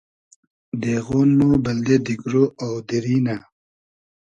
دېغۉن مۉ بئلدې دیگرۉ آو دیری نۂ